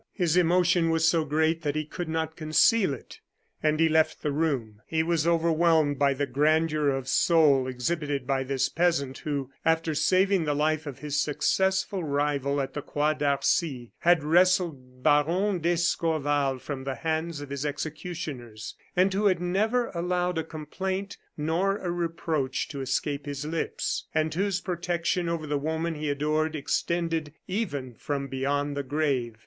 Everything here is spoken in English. His emotion was so great that he could not conceal it, and he left the room. He was overwhelmed by the grandeur of soul exhibited by this peasant, who, after saving the life of his successful rival at the Croix d'Arcy, had wrested Baron d'Escorval from the hands of his executioners, and who had never allowed a complaint nor a reproach to escape his lips, and whose protection over the woman he adored extended even from beyond the grave.